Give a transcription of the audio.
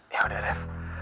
ya udah rev